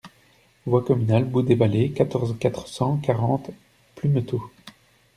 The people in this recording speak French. Voie Communale Bout des Vallées, quatorze, quatre cent quarante Plumetot